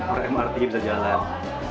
orang mrt bisa jalan